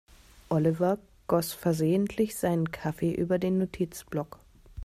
Oliver goss versehentlich seinen Kaffee über den Notizblock.